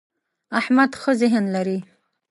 احمد ښه ذهن لري.